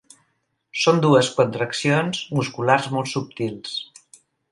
Són dues contraccions musculars molt subtils.